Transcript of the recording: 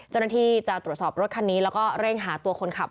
เจ้าหน้าที่จะตรวจสอบรถคันนี้แล้วก็เร่งหาตัวคนขับ